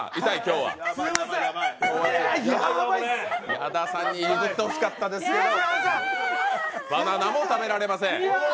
矢田さんに譲ってほしかったですけど、バナナも食べられません。